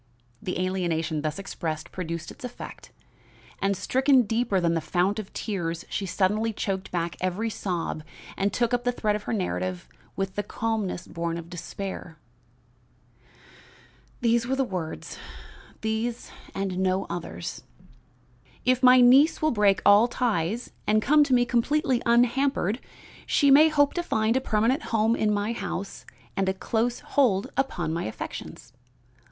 The alienation thus expressed produced its effect, and, stricken deeper than the fount of tears, she suddenly choked back every sob and took up the thread of her narrative with the calmness born of despair, "These were the words, these and no others: "'If my niece will break all ties and come to me completely unhampered, she may hope to find a permanent home in my house and a close hold upon my affections.